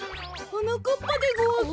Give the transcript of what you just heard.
はなかっぱでごわす。